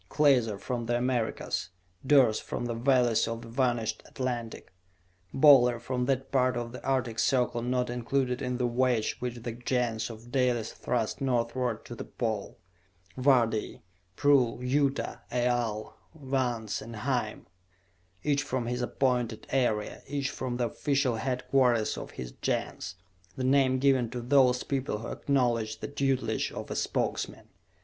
Klaser, from the Americas; Durce from the valleys of the vanished Atlantic; Boler from that part of the Artic Circle not included in the wedge which the Gens of Dalis thrust northward to the Pole: Vardee; Prull; Yuta; Aal; Vance and Hime. Each from his appointed area, each from the official headquarters of his Gens, the name given to those people who acknowledged the tutelage of a Spokesman.